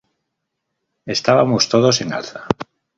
Estábamos todos en alza.